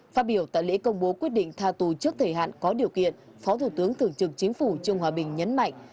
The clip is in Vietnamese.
phát biểu tại lễ công bố quyết định tha tù trước thời hạn có điều kiện phó thủ tướng thường trực chính phủ trương hòa bình nhấn mạnh